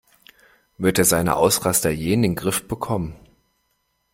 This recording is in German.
Wird er seine Ausraster je in den Griff bekommen?